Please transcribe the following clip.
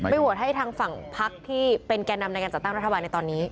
โหวตให้ทางฝั่งพักที่เป็นแก่นำในการจัดตั้งรัฐบาลในตอนนี้